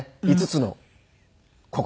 ５つの心。